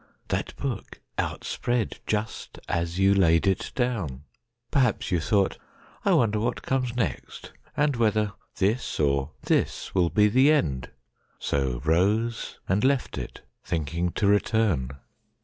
That book, outspread, just as you laid it down! Perhaps you thought, "I wonder what comes next, And whether this or this will be the end";So rose, and left it, thinking to return.